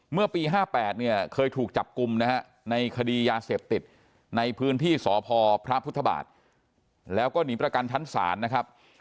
เมื่อปี๕๘เนี่ยเคยถูกจับกลุ่มนะฮะในคดียาเสพติดในพื้นที่สพพระพุทธบาทแล้วก็หนีประกันชั้นศาลนะครับ